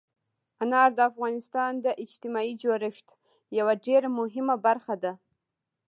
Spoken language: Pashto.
انار د افغانستان د اجتماعي جوړښت یوه ډېره مهمه برخه ده.